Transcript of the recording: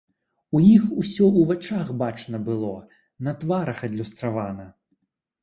У іх усё у вачах бачна было, на тварах адлюстравана!